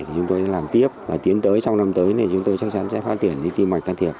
chúng tôi sẽ làm tiếp và tiến tới sau năm tới thì chúng tôi chắc chắn sẽ phát triển đi tim mạch can thiệp